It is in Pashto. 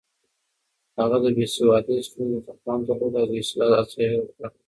هغه د بې سوادۍ ستونزو ته پام درلود او د اصلاح هڅه يې وکړه.